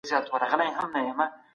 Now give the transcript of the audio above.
دا د هنر او ښکلا قوم دی.